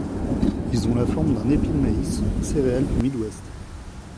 Ils ont la forme d'un épi de maïs, céréale du Midwest.